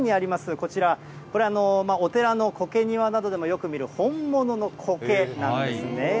こちら、これ、お寺のこけ庭などでもよく見る、本物のこけなんですね。